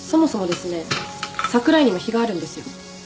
櫻井にも非があるんですよ。